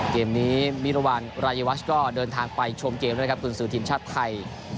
เกมนี้มิรวรรณรายวัชก็เดินทางไปชมเกมด้วยครับกุญสือทีมชาติไทย